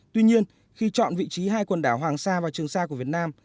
tuy nhiên khi chọn vị trí hai quần đảo hoàng sa và trường sa của việt nam